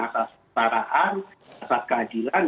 asas setaraan asas keadilan